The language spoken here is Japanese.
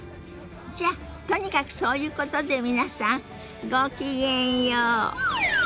じゃとにかくそういうことで皆さんごきげんよう。